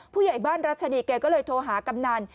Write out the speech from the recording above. ผู้ใหญ่บ้านรัชนีแกก็เลยโทรหากำนัน